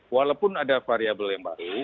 walaupun ada variabel yang baru